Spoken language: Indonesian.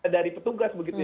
dari petugas begitu